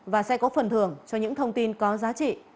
và sẽ có phần thưởng cho những thông tin có giá trị